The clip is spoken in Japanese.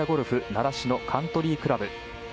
習志野カントリークラブ。